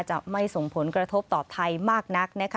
จะไม่ส่งผลกระทบต่อไทยมากนักนะคะ